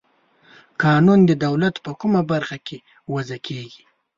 قانون د دولت په کومه برخه کې وضع کیږي؟